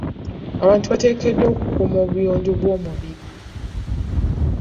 Abantu bateekeddwa okukuuma obuyonjo bw'omubiri.